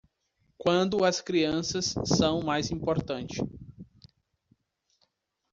Quando as crianças são o mais importante